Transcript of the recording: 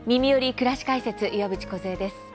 くらし解説」岩渕梢です。